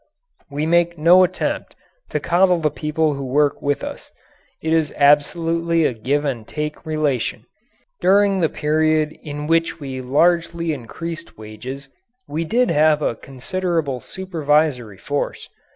We make no attempt to coddle the people who work with us. It is absolutely a give and take relation. During the period in which we largely increased wages we did have a considerable supervisory force.